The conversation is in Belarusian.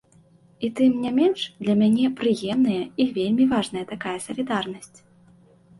І тым не менш, для мяне прыемная і вельмі важная такая салідарнасць.